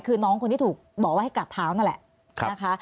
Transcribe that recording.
คือน้องคนที่ถูกบอกว่าให้กราบเท้านั่นแหละนะคะ